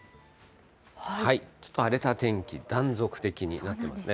ちょっと荒れた天気、断続的になってますね。